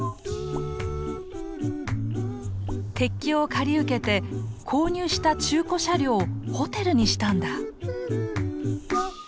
鉄橋を借り受けて購入した中古車両をホテルにしたんだ。